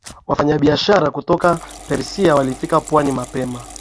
Wafanyabiashara kutoka Persia walifikia pwani mapema